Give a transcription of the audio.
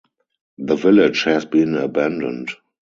The village has been abandoned.